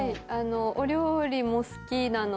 お料理も好きなので。